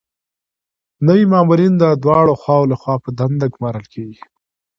نوي مامورین د دواړو خواوو لخوا په دنده ګمارل کیږي.